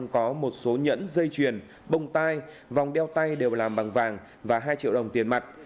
có một số nhẫn dây chuyền bông tai vòng đeo tay đều làm bằng vàng và hai triệu đồng tiền mặt